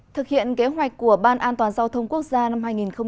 thực hiện kế hoạch của ban an toàn giao thông quốc gia năm hai nghìn hai mươi